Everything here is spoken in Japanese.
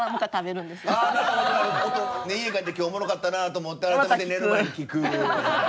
家帰って今日おもろかったなと思ったら寝る前に聴く。